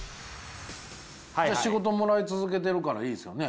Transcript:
仕事もらい続けてるからいいですよね。